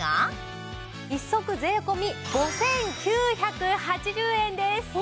１足税込５９８０円です！